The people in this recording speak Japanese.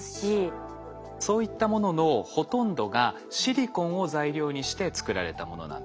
そういったもののほとんどがシリコンを材料にして作られたものなんです。